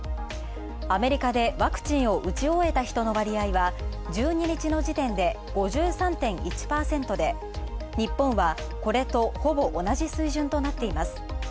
アメリカでワクチンを打ち終えた人の割合は１２日の時点で５３．１％で、日本はこれとほぼ同じ水準となっています。